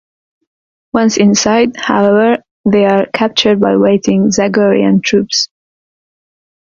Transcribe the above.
Once inside, however, they are captured by waiting Zagorian troops.